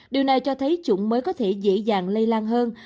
điều này cho thấy chủng mới có thể dễ dàng lây lan hơn